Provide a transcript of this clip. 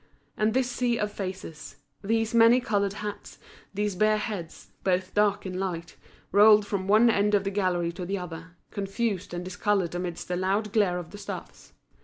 And this sea of faces, these many coloured hats, these bare heads, both dark and light, rolled from one end of the gallery to the other, confused and discoloured amidst the loud glare of the stuffs.